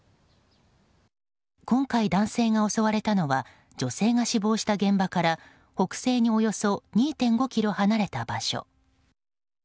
今回、男性が襲われたのは女性が死亡した現場から北西におよそ２．５ｋｍ離れた場所。